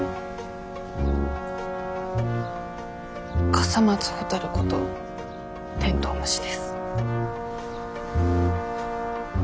笠松ほたることテントウムシです。